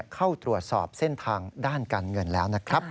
เข้าตรวจสอบเส้นทางด้านการเงินแล้วนะครับ